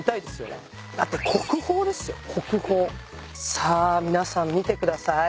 さあ皆さん見てください。